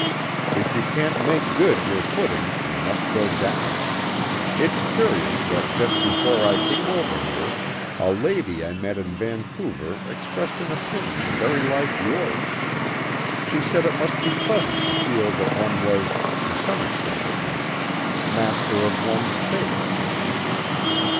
If you can't make good your footing you must go down. It's curious that just before I came over here a lady I met in Vancouver expressed an opinion very like yours. She said it must be pleasant to feel that one was, to some extent at least, master of one's fate."